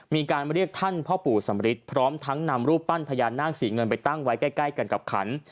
มีการเรียกท่านพ่อปู่สำริทพร้อมทั้งนำรูปปั้นพญานาคสีเงินไปตั้งไว้ใกล้กันกับขัน